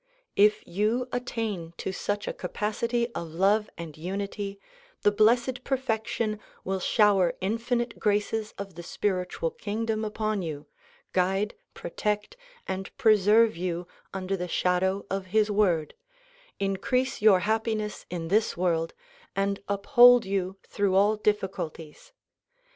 If you attain to such a capacity of love and unity the Blessed Perfection will shower infinite graces of the spiritual kingdom upon you, guide, protect and preserve you under the shadow of his Word, increase your happiness in this world and uphold you through all difficulties.